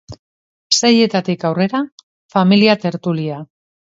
Seietatik aurrera, familia tertulia.